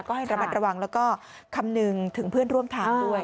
ก็ให้ระมัดระวังแล้วก็คำนึงถึงเพื่อนร่วมทางด้วย